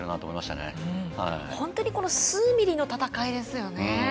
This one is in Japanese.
本当に数ミリの戦いですね。